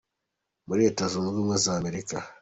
C muri Leta Zunze Ubumwe za Amerika.